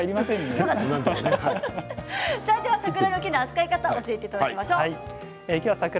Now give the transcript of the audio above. それでは桜の木の扱い方を教えていただきましょう。